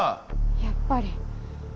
やっぱり。